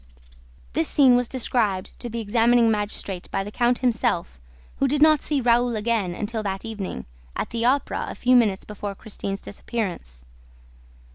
This scene was described to the examining magistrate by the count himself, who did not see Raoul again until that evening, at the Opera, a few minutes before Christine's disappearance.